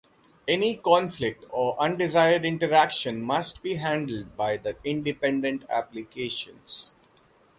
Any conflict or undesired interaction must be handled by the independent applications.